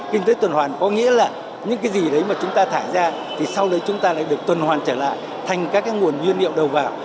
kinh tế tuần hoàn có nghĩa là những cái gì đấy mà chúng ta thải ra thì sau đấy chúng ta lại được tuần hoàn trở lại thành các nguồn nguyên liệu đầu vào